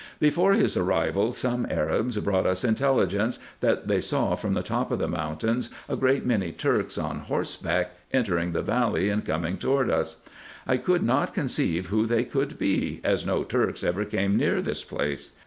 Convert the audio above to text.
Before his arrival some Arabs brought us intelligence, that they saw from the tops of the mountains a great many Turks on horseback entering the valley, and coming toward us. I could not conceive who they could be, as no Turks ever came near this place.